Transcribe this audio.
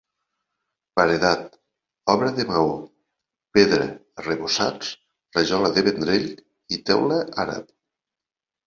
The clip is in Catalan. Paredat, obra de maó, pedra, arrebossats, rajola de Vendrell i teula àrab.